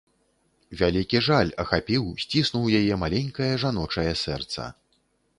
Вялікі жаль ахапіў, сціснуў яе маленькае, жаночае сэрца.